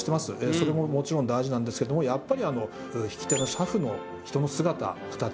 それももちろん大事なんですけどもやっぱり引き手の。